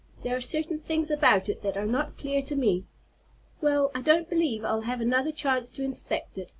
"There are certain things about it that are not clear to me. Well, I don't believe I'll have another chance to inspect it.